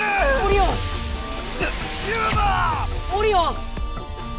オリオン！